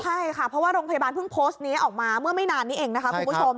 ใช่ค่ะเพราะว่าโรงพยาบาลเพิ่งโพสต์นี้ออกมาเมื่อไม่นานนี้เองนะคะคุณผู้ชม